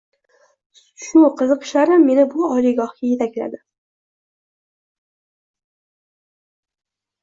Shu qiziqishlarim meni bu oliygohga yetakladi.